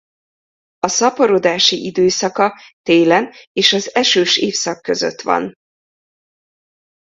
A szaporodási időszaka télen és az esős évszak között van.